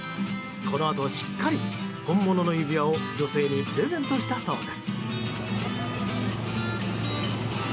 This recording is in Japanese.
このあと、しっかり本物の指輪を女性にプレゼントしたそうです。